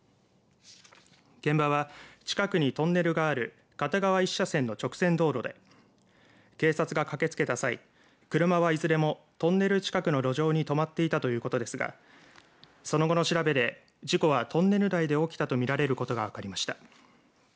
現場は近くにトンネルがある片側１車線の直線道路で警察が駆けつけた際車はいずれもトンネル近くの路上に止まっていたということですがその後の調べで、事故はトンネル内で起きたと見られることが分かりました。